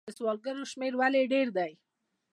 د سوالګرو شمیر ولې ډیر دی؟